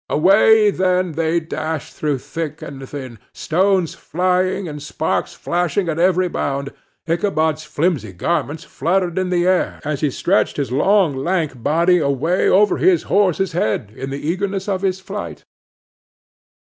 Away, then, they dashed through thick and thin; stones flying and sparks flashing at every bound. Ichabod's flimsy garments fluttered in the air, as he stretched his long lank body away over his horse's head, in the eagerness of his flight.